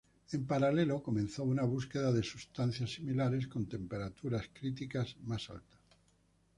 En paralelo comenzó una búsqueda de sustancias similares con temperaturas críticas más altas.